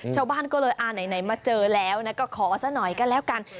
ชาวบ้านก็เลยอ่าไหนมาเจอแล้วก็ขอซะหน่อยก็แล้วกัน